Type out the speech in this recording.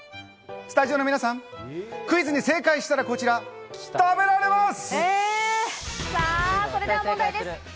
スタジオの皆さん、クイズに正解したら、こちら食べられます！